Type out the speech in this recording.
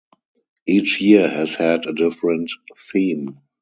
Each year has had a different theme.